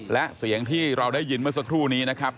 และเสียงที่เราได้ยินเมื่อสักครู่นี้นะครับ